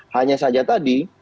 hanya saja tadi